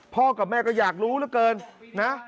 กับแม่ก็อยากรู้เหลือเกินนะ